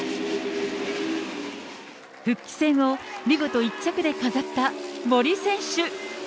復帰戦を見事１着で飾った森選手。